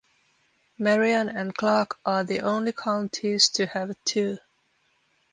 Marion and Clark are the only counties to have two.